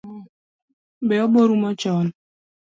Be obo rumo chon?